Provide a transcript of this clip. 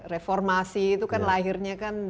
reformasi itu kan lahirnya kan